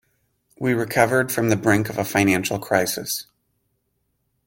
We recovered from the brink of a financial crisis.